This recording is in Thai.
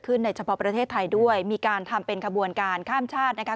ในเฉพาะประเทศไทยด้วยมีการทำเป็นขบวนการข้ามชาตินะคะ